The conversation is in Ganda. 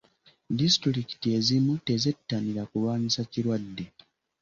Disitulikiti ezimu tezettanira kulwanyisa kirwadde.